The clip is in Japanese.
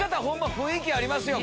雰囲気ありますよ